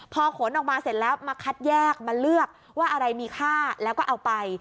พอขนออกมาเสร็จแล้วมาคัดแยกมาเลือกว่าอะไรมีค่าแล้วก็เอาไป